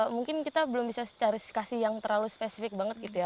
mungkin kita belum bisa cari kasih yang terlalu spesifik banget gitu ya